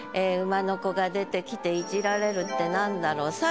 「馬の子」が出てきて「弄られる」って何だろう？